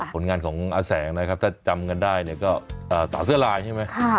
ผลงานของอาแสงนะครับถ้าจำกันได้เนี่ยก็สาวเสื้อลายใช่ไหม